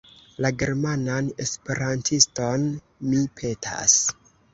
La »Germanan Esperantiston« mi petas.